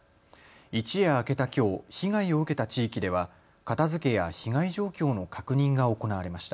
一夜明けたきょう被害を受けた地域では片づけや被害状況の確認が行われました。